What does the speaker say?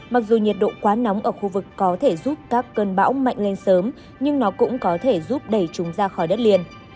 mặc dù nhiệt độ quá nóng ở khu vực có thể giúp các cơn bão mạnh lên sớm nhưng nó cũng có thể giúp đẩy chúng ra khỏi đất liền